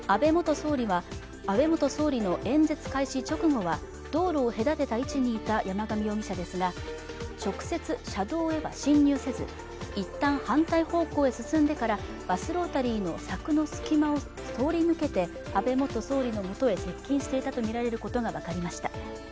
安倍元総理の演説開始直後は、道路を隔てた位置にいた山上容疑者ですが、直接車道へは進入せず一旦、反対方向へ進んでからバスロータリーの柵の隙間を通り抜けて安倍元総理のもとへ接近していたとみられることが分かりました。